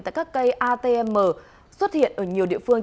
tại các cây atm xuất hiện ở nhiều địa phương